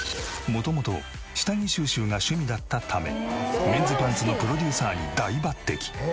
元々下着収集が趣味だったためメンズパンツのプロデューサーに大抜擢。